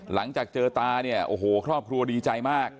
หลังจากเจอตาเนี่ยโอ้โหครอบครัวดีใจมาก